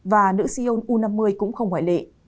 và nữ seoul u năm mươi cũng không ngoại lệ